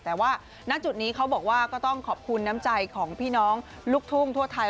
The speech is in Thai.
แต่ว่าณจุดนี้เขาบอกว่าก็ต้องขอบคุณน้ำใจของพี่น้องลูกทุ่งทั่วไทย